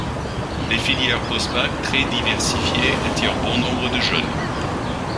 Les filières post-bac très diversifiées attirent bon nombre de jeunes.